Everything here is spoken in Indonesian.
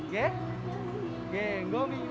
kelambi yang harusnya apa